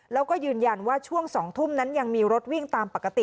แล้วก็ยืนยันว่าช่วง๒ทุ่มนั้นยังมีรถวิ่งตามปกติ